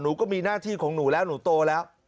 ก็มีหน้าที่ของหนูแล้วหนูโตแล้ว